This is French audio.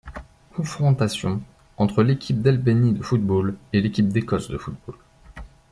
Confrontations entre l'équipe d'Albanie de football et l'équipe d'Écosse de football.